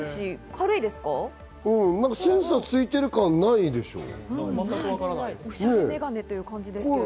センサーついてる感がないでしょう？